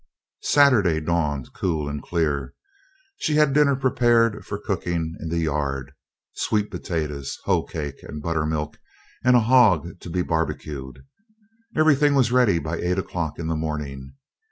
Saturday dawned cool and clear. She had dinner prepared for cooking in the yard: sweet potatoes, hoe cake, and buttermilk, and a hog to be barbecued. Everything was ready by eight o'clock in the morning.